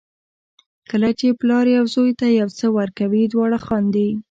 کله چې پلار یو زوی ته یو څه ورکوي دواړه خاندي.